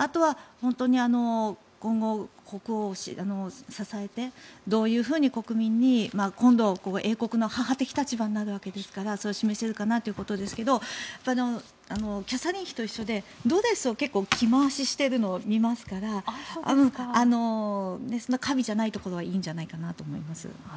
あとは本当に今後、国王を支えてどういうふうに国民に今度は英国の母的立場になるわけですからそれを示せるかなということですがキャサリン妃と一緒でドレスを着回ししているのを見ますから華美じゃないところはいいんじゃないかと思います。